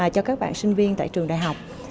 cho các bạn sinh viên tại trường đại học